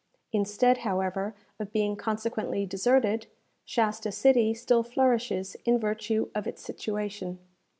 Instead, however, of being consequently deserted, Shasta City still flourishes in virtue of its situation.